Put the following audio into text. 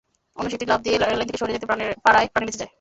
অন্য শিশুটি লাফ দিয়ে রেললাইন থেকে সরে যেতে পারায় প্রাণে বেঁচে যায়।